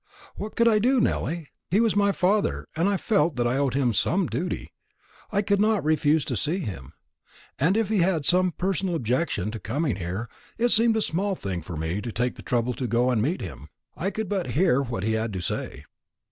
What could I do, Nelly? He was my father, and I felt that I owed him some duty. I could not refuse to see him; and if he had some personal objection to coming here, it seemed a small thing for me to take the trouble to go and meet him. I could but hear what he had to say."